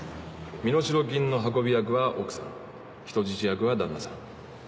身代金の運び役は奥さん人質役は旦那さん。